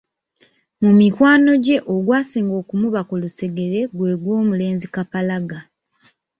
Mu mikwano gye ogwasinga okumuba ku lusegere gwe gw’omulenzi Kapalaga.